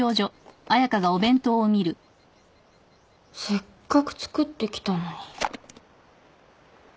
せっかく作ってきたのに。